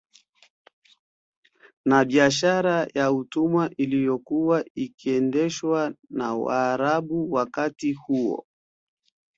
Na biashara ya utumwa iliyokuwa ikiendeshwa na Waarabu wakati huo